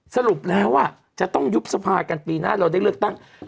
สรุปแล้วจะต้องยุบสภากันปีหน้าเราได้เลือกตั้ง